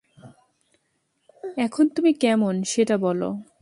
এখন তুমি কেমন, সেটা বল।